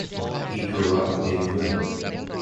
He grew up in Pune.